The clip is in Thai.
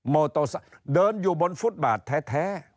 โตซะเดินอยู่บนฟุตบาทแท้